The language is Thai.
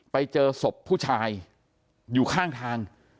ไปเจอศพผู้ชายอยู่ข้างทาง